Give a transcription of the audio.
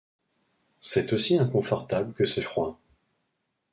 c'est aussi inconfortable que c'est froid.